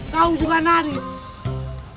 kau juga nadif